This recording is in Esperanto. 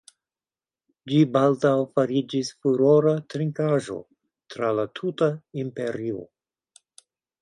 Ĝi baldaŭ fariĝis furora trinkaĵo tra la tuta imperio.